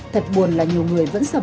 thật buồn là nhiều người vẫn sợ bệnh